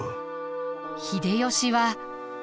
秀吉は。